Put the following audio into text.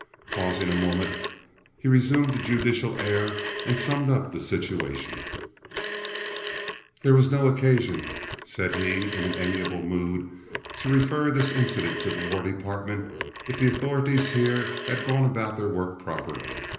Pausing a moment, he resumed a judicial air, and summed up the situation: "There was no occasion," said he, in an amiable mood, "to refer this incident to the War Department if the authorities here had gone about their work properly.